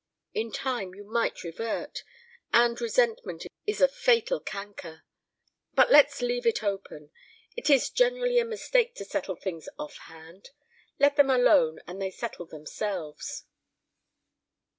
In time you might revert and resentment is a fatal canker; but let's leave it open. It is generally a mistake to settle things off hand. Let them alone and they settle themselves."